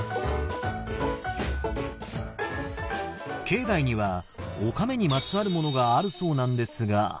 境内にはおかめにまつわるものがあるそうなんですが。